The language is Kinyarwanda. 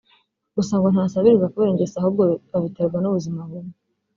gusa ngo ntasabiriza kubera ingeso ahubwo abiterwa n’ubuzima bubi